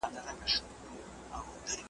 چي په خوب به دي لیدله دغه ورځ دي وه ارمان `